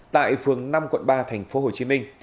tại phường năm quận ba thành phố hồ chí minh